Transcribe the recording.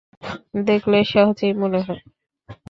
দেখলে সহজই মনে হয়।